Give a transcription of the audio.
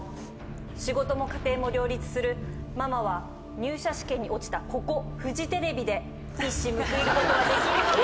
仕事も家庭も両立するママは入社試験に落ちたここフジテレビで一矢報いることはできるのか？